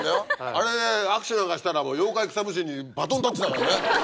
あれで握手なんかしたら妖怪草むしりにバトンタッチだからね。